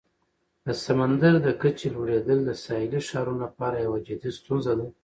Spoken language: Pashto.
د سمندر د کچې لوړیدل د ساحلي ښارونو لپاره یوه جدي ستونزه ده.